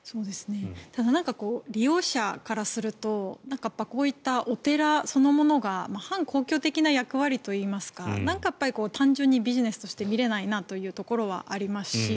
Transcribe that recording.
ただ、利用者からするとこういったお寺そのものが反公共的な役割といいますか単純にビジネスとして見れないなというところはありますし